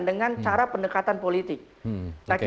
dengan cara pendekatan politik